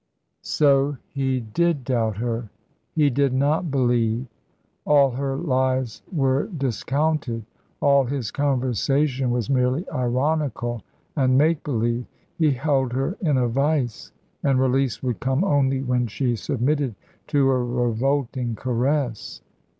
So he did doubt her; he did not believe. All her lies were discounted; all his conversation was merely ironical and make believe. He held her in a vice, and release would come only when she submitted to a revolting caress.